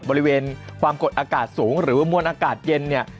บริเวณความกดอากาศสูงหรือว่ามวลอากาศเย็นเนี่ย